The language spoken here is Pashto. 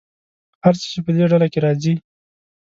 هر څه چې په دې ډله کې راځي.